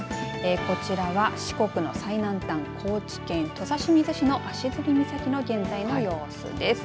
こちらは四国の最南端高知県土佐清水市の足摺岬の現在の様子です。